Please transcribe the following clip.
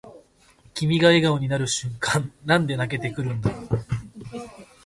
君が笑顔になる瞬間なんで泣けてくるんだろう